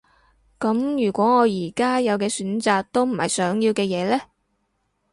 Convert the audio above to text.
噉如果我而家有嘅選擇都唔係想要嘅嘢呢？